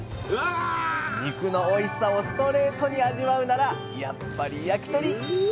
肉のおいしさをストレートに味わうならやっぱり焼き鳥。